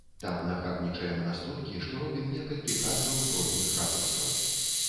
Там нахабнічаем настолькі, што робім некалькі кадраў з розных ракурсаў.